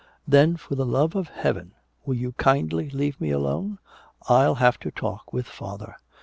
Then for the love of Heaven will you kindly leave me alone! I'll have a talk with father!"